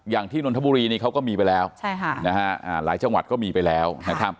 อย่างที่นทบุรีนี่เขาก็มีไปแล้วหลายจังหวัดก็มีไปแล้ว